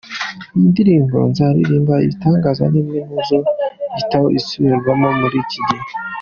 Iyi ndirimbo Nzaririmba ibitangaza, ni imwe mu zo mu gitabo zisubirwamo muri iki gihe.